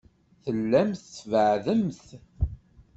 Tellamt tbeɛɛdemt.